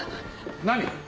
何？